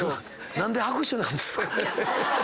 何で拍手なんですか？